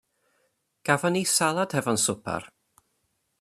Gafon ni salad hefo'n swpar.